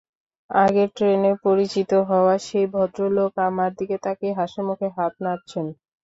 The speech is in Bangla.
আগের ট্রেনে পরিচিত হওয়া সেই ভদ্রলোক আমার দিকে তাকিয়ে হাসিমুখে হাত নাড়ছেন।